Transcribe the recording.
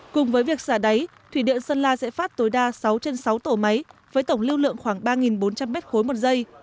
cùng với việc xả đáy thủy điện sơn la sẽ phát tối đa sáu trên sáu tổ máy với tổng lưu lượng khoảng ba bốn trăm linh m ba một giây